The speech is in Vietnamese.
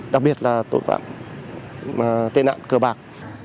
đặc biệt là tội phạm tên nạn cờ bạc